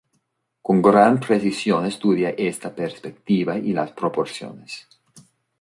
Con gran precisión estudia esta perspectiva y las proporciones.